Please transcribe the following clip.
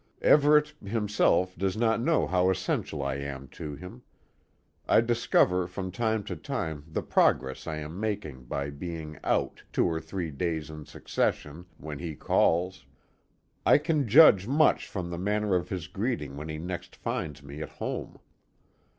Everet, himself, does not know how essential I am to him. I discover from time to time the progress I am making by being "out" two or three days in succession when he calls. I can judge much from the manner of his greeting when he next finds me at home.